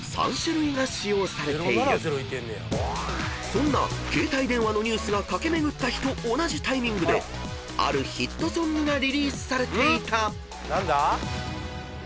［そんな携帯電話のニュースが駆け巡った日と同じタイミングであるヒットソングがリリースされていた］